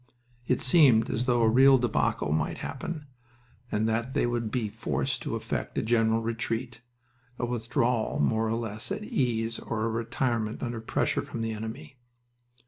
It seemed as though a real debacle might happen, and that they would be forced to effect a general retreat a withdrawal more or less at ease or a retirement under pressure from the enemy....